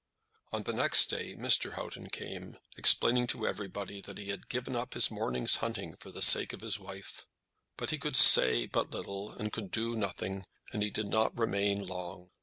On the next day Mr. Houghton came, explaining to everybody that he had given up his day's hunting for the sake of his wife. But he could say but little, and could do nothing, and he did not remain long.